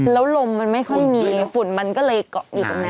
แล้วลมมันไม่ค่อยมีฝุ่นมันก็เลยเกาะอยู่ตรงนั้น